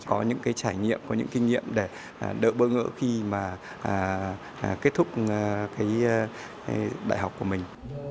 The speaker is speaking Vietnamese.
có những cái trải nghiệm có những kinh nghiệm để đỡ bỡ ngỡ khi mà kết thúc cái đại học của mình